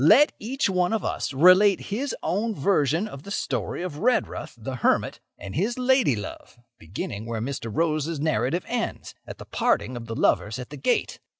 Let each one of us relate his own version of the story of Redruth, the hermit, and his lady love, beginning where Mr. Rose's narrative ends—at the parting of the lovers at the gate.